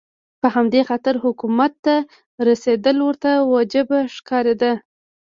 په همدې خاطر حکومت ته رسېدل ورته وجیبه ښکاري.